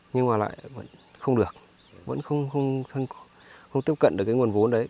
nhưng mà lại vẫn không được vẫn không tiếp cận được cái nguồn vốn đấy